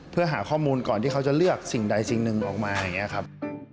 เพื่อหาข้อมูลก่อนที่เขาจะเลือกสิ่งใดสิ่งหนึ่งออกมาอย่างนี้ครับ